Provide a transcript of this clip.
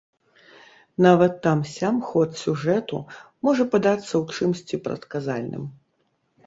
Нават там-сям ход сюжэту можа падацца ў чымсьці прадказальным.